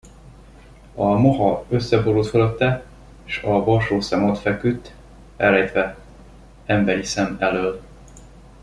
A moha összeborult fölötte, s a borsószem ott feküdt, elrejtve emberi szem elől.